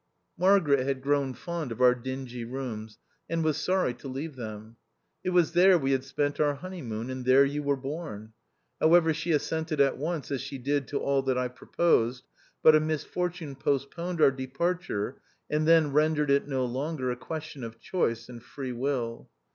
Margaret had grown fond of our dingy rooms, and was sorry to leave them. It was there we had spent our honeymoon, and there you were born. However, she assented at once, as she did to all that I proposed ; but a misfortune postponed our departure, and then rendered it no longer a question of choice and free will.